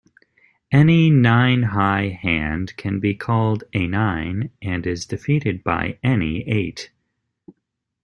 Any nine-high hand can be called "a nine", and is defeated by any "eight".